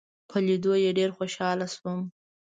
په لیدو یې ډېر خوشاله شوم.